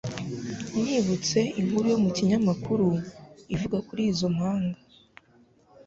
Nibutse inkuru yo mu kinyamakuru ivuga kuri izo mpanga.